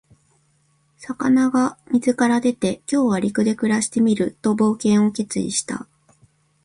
魚が水から出て、「今日は陸で暮らしてみる」と冒険を決意した。